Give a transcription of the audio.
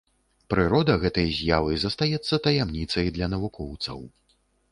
Прырода гэтай з'явы застаецца таямніцай для навукоўцаў.